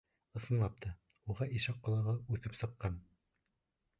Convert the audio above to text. Ысынлап та, уға ишәк ҡолағы үҫеп сыҡҡан.